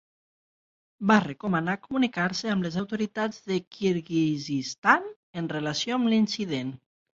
Va recomanar comunicar-se amb les autoritats de Kirguizistan en relació amb l'incident.